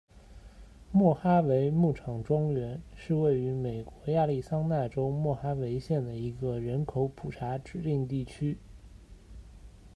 莫哈维牧场庄园是位于美国亚利桑那州莫哈维县的一个人口普查指定地区。